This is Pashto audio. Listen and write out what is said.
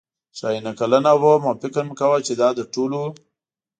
ښايي نهه کلنه به وم او فکر مې کاوه چې دا تر ټولو.